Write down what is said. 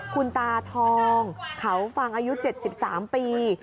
คุณตาทองเขาฟังอายุ๗๓ปี